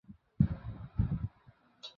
এই ভদ্রলোক এখন এই দেশে ভ্রমণ করিতেছেন।